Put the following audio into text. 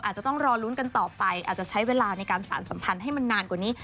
อาจจะต้องรอลุ้นกันต่อไปอาจจะใช้เวลาในการสารสัมพันธ์ให้มันนานกว่านี้